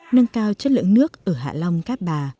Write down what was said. nâng cao chất lượng nước ở hạ long cát bà